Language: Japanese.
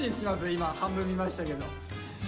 今半分見ましたけど。